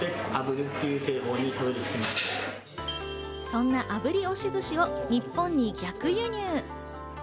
そんな炙り押し寿司を日本に逆輸入。